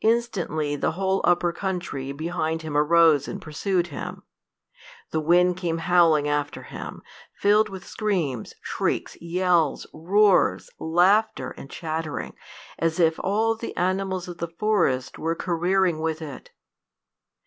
Instantly the whole upper country behind him arose and pursued him! The wind came howling after him, filled with screams, shrieks, yells, roars, laughter, and chattering, as if all the animals of the forest were careering with it.